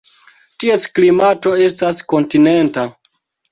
Ties klimato estas kontinenta.